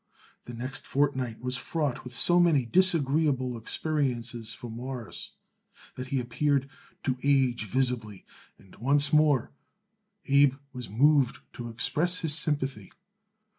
The next fortnight was fraught with so many disagreeable experiences for Morris that he appeared to age visibly, and once more Abe was moved to express his sympathy.